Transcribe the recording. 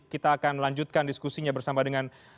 kita akan melanjutkan diskusinya bersama dengan